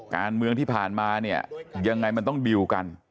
การเมืองที่ผ่านมาเนี่ยยังไงมันต้องดิวกัน